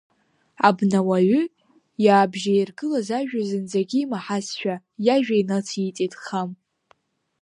Абнауаҩы иаабжьаиргылаз ажәа зынӡагьы имаҳазшәа иажәа инациҵеит Хам.